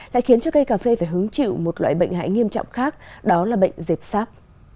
lại khiến cho cây cà phê phải hứng chịu một loại bệnh hại nghiêm trọng khác đó là bệnh dẹp sáp